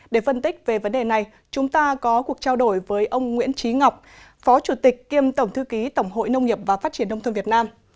để phân tích về vấn đề này chúng ta có cuộc trao đổi với ông nguyễn trí ngọc phó chủ tịch kiêm tổng thư ký tổng hội nông nghiệp và phát triển nông thôn việt nam